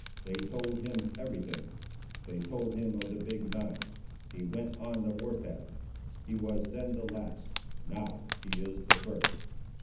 They told him every thing—they told him of the Big knives. He went on the war path. He was then the last; now, he is the first.